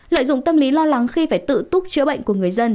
lợi dụng tâm lý lo lắng khi phải tự túc chữa bệnh của người dân